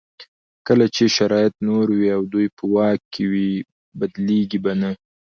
کله چې شرایط نور وي او دی په واک کې وي بدلېږي به نه.